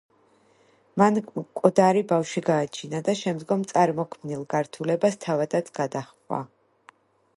მან მკვდარი ბავშვი გააჩინა და შემდგომ წარმოქმნილ გართულებას თავადაც გადაჰყვა.